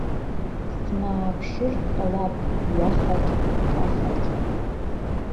Смааԥшыр ҟалап ҩахагь, хахагь.